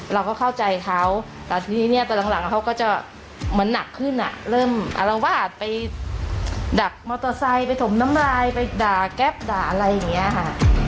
เราก็เข้าใจเขาแต่ทีนี้เนี่ยตอนหลังเขาก็จะเหมือนหนักขึ้นอ่ะเริ่มอารวาสไปดักมอเตอร์ไซค์ไปถมน้ำลายไปด่าแก๊ปด่าอะไรอย่างนี้ค่ะ